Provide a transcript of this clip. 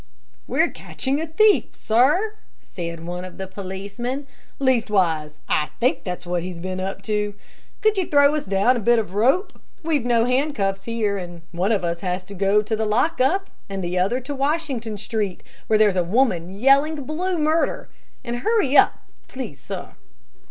"We're catching a thief, sir," said one of the policemen, "leastwise I think that's what he's been up to. Could you throw us down a bit of rope? We've no handcuffs here, and one of us has to go to the lock up and the other to Washington street, where there's a woman yelling blue murder; and hurry up, please, sir."